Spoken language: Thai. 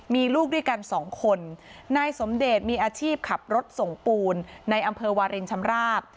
มีลูกด้วยกันสองคนนายสมเดชมีอาชีพขับรถส่งปูนในอำเภอวารินชำราบ